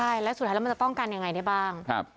ใช่แล้วสุดท้ายแล้วมันจะป้องกันยังไงได้บ้าง